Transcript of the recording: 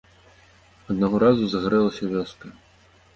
Аднаго разу загарэлася вёска.